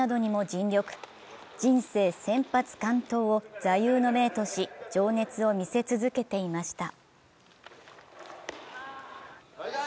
「人生先発完投」を座右の銘とし情熱を見せ続けていました。